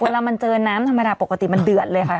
เวลามันเจอน้ำธรรมดาปกติมันเดือดเลยค่ะ